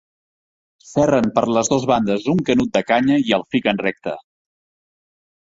Serren per les dos bandes un canut de canya i el fiquen recte.